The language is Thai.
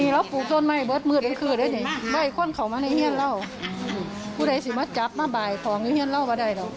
เขาจะแพ้มาบ้านกระจอดไปได้เดินไว้ตัวเน้นห่วงเราก็ใหญ่มาก